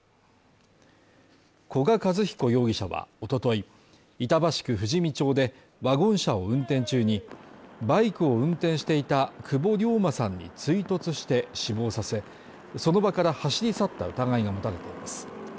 古賀和彦容疑者は、おととい板橋区富士見町で、ワゴン車を運転中にバイクを運転していた久保龍馬さんに追突して死亡させ、その場から走り去った疑いが持たれています。